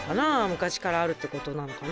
昔からあるって事なのかな。